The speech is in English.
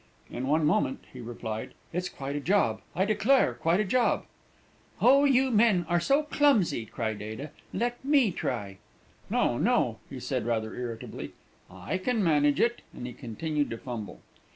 "In one moment," he replied; "it's quite a job, I declare, quite a job!" "Oh, you men are so clumsy!" cried Ada. "Let me try." "No, no!" he said, rather irritably; "I can manage it," and he continued to fumble.